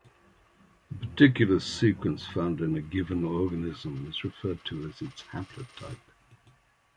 The particular sequence found in a given organism is referred to as its haplotype.